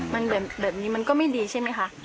มันแบบนี้มันก็ไม่ดีใช่ไหมคะ